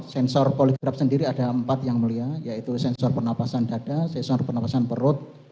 sensor poligraf sendiri ada empat yang mulia yaitu sensor penapasan dada sensor penapasan perut